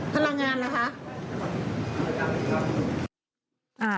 พลังงานเหรอคะ